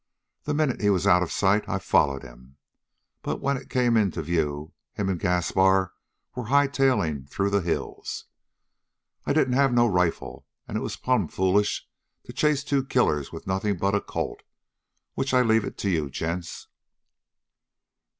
The minute he was out of sight I follered him, but when it come into view, him and Gaspar was high tailing through the hills. I didn't have no rifle, and it was plumb foolish to chase two killers with nothing but a Colt. Which I leave it to you gents!"